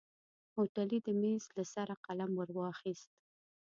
هوټلي د ميز له سره قلم ور واخيست.